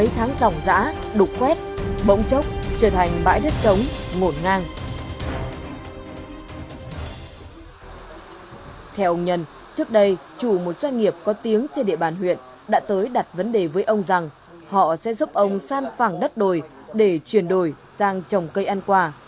theo ông nhân trước đây chủ một doanh nghiệp có tiếng trên địa bàn huyện đã tới đặt vấn đề với ông rằng họ sẽ giúp ông san phẳng đất đồi để chuyển đổi sang trồng cây ăn quả